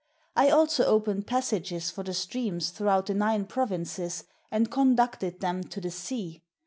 I also opened passages for the streams throughout the nine provinces and conducted them to the sea.